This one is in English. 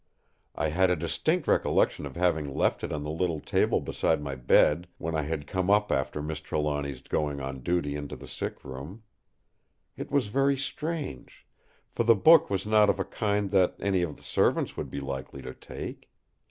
I had a distinct recollection of having left it on the little table beside my bed, when I had come up after Miss Trelawny's going on duty into the sick room. It was very strange; for the book was not of a kind that any of the servants would be likely to take.